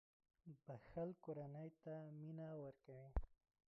• بښل کورنۍ ته مینه ورکوي.